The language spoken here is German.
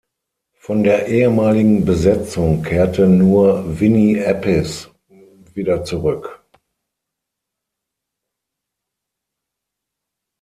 Von der ehemaligen Besetzung kehrte nur Vinny Appice wieder zurück.